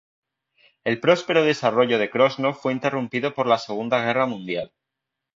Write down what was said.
El próspero desarrollo de Krosno fue interrumpido por la Segunda Guerra Mundial.